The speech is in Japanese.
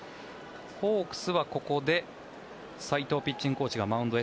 ホークスはここで斉藤ピッチングコーチがマウンドへ。